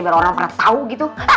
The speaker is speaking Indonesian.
biar orang pernah tahu gitu